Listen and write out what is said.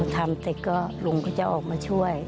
ทำเสร็จก็ลุงก็จะออกมาช่วย